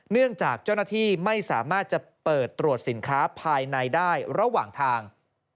เนื่องจากเจ้าหน้าที่ไม่สามารถจะเปิดตรวจสินค้าภายในได้ระหว่างทาง